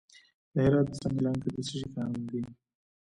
د هرات په سنګلان کې د څه شي کان دی؟